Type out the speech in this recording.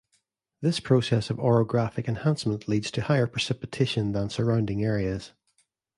This process of orographic enhancement leads to higher precipitation than surrounding areas.